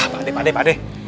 pak d pak d pak d